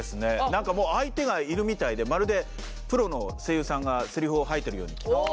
何か相手がいるみたいでまるでプロの声優さんがセリフを吐いてるように聞こえました。